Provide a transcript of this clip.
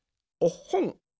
おっほん。